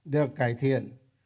được cải thiện